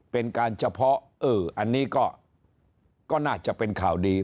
เป็นการเฉพาะอันนี้ก็น่าจะเป็นข่าวดี